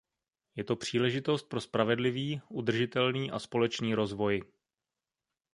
Je to příležitost pro spravedlivý, udržitelný a společný rozvoj.